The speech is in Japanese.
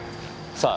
さあ。